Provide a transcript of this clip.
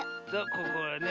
ここをね